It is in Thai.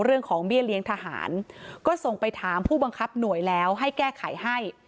เรื่องของเบี้ยเลี้ยงทหารก็ส่งไปถามผู้บังคับหน่วยแล้วให้แก้ไขให้